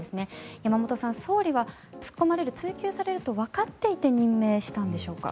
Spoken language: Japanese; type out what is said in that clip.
山本さん、総理は突っ込まれる、追及されるとわかっていて任命したんでしょうか。